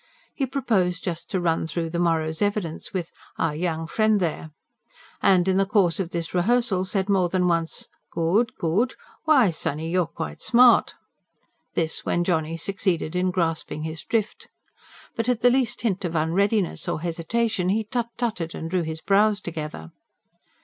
He proposed just to run through the morrow's evidence with "our young friend there"; and in the course of this rehearsal said more than once: "Good ... good! Why, sonny, you're quite smart." This when Johnny succeeded in grasping his drift. But at the least hint of unreadiness or hesitation, he tut tutted and drew his brows together.